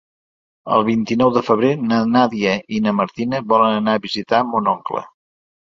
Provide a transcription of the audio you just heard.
El vint-i-nou de febrer na Nàdia i na Martina volen anar a visitar mon oncle.